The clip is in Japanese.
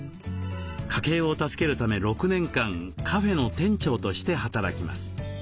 家計を助けるため６年間カフェの店長として働きます。